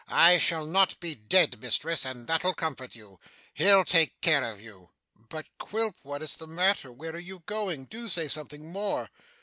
I shall not be dead, mistress, and that'll comfort you. He'll take care of you.' 'But, Quilp? What is the matter? Where are you going? Do say something more?